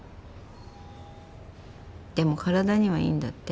でも体にはいいんだって。